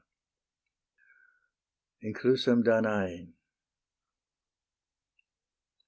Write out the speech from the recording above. INCLUSAM DANAEN.